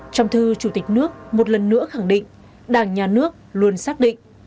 trong thư chủ tịch nước một lần nữa khẳng định đảng nhà nước luôn xác định